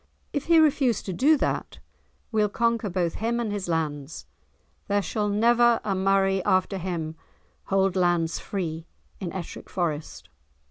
"If he refuse to do that, we'll conquer both him and his lands; there shall never a Murray after him hold lands free in Ettrick Forest."